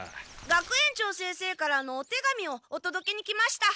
学園長先生からのお手紙をおとどけに来ました。